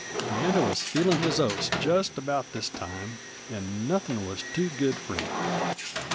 Leander wuz feelin' his oats jest about this time, 'nd nuthin' wuz too good f'r him.